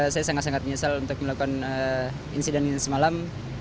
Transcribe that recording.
saya sangat sangat menyesal untuk melakukan insiden ini semalam